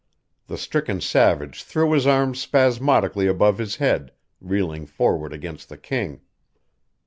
The stricken savage threw his arms spasmodically above his head, reeling forward against the king.